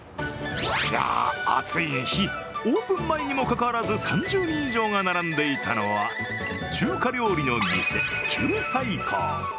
暑い日、オープン前にもかかわらず３０人以上が並んでいたのは中華料理の店、九寨溝。